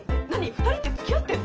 ２人ってつきあってんの？